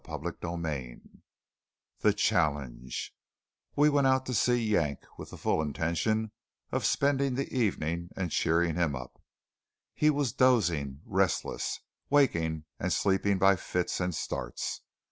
CHAPTER XXIX THE CHALLENGE We went out to see Yank, with the full intention of spending the evening and cheering him up. He was dozing, restless, waking and sleeping by fits and starts.